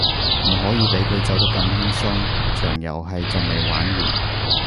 唔可以畀佢走得咁輕鬆，場遊戲仲未玩完